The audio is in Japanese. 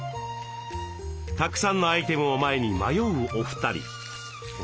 たくさんのアイテムを前に迷うお二人。